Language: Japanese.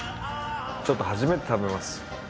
ちょっと初めて食べます。